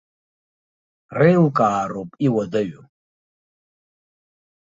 Реилкаароуп иуадаҩу.